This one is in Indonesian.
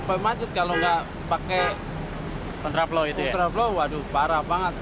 ultraflow waduh parah banget